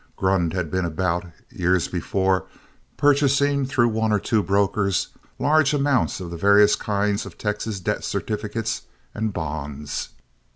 Grund had been about, years before, purchasing through one or two brokers large amounts of the various kinds of Texas debt certificates and bonds.